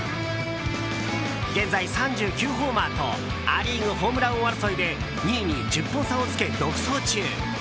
現在、３９ホーマーとア・リーグホームラン王争いで２位に１０本差をつけ独走中。